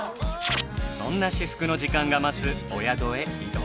そんな至福の時間が待つお宿へ移動。